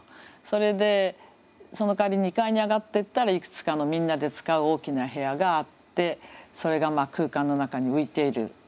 それでそのかわり２階に上がってったらいくつかのみんなで使う大きな部屋があってそれが空間の中に浮いている。